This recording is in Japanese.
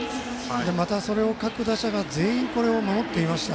また、それを各打者が守っていました。